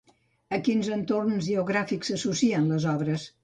A quins entorns geogràfics s'associen les obres?